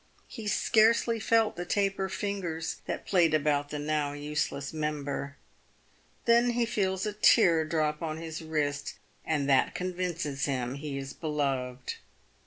He scarcely felt the taper fingers that played about the now useless member." Then he feels a tear drop on his wrist, and that convinces him he is beloved.